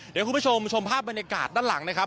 เดี๋ยวคุณผู้ชมชมภาพบรรยากาศด้านหลังนะครับ